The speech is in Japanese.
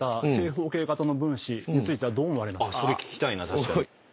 「それ聞きたいな」